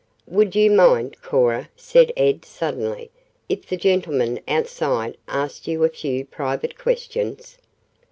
"Would you mind, Cora," said Ed suddenly, "if the gentleman outside asked you a few private questions?"